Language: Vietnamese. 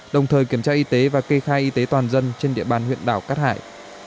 đồng thời kiểm tra y tế và kê khai y tế toàn dân trên địa bàn huyện đảo cát hải